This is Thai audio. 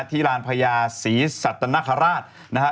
ที่รานพญาศีสัตนครราชนะคะ